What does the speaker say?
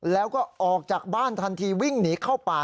แล้วก็ออกจากบ้านทันทีวิ่งหนีเข้าป่า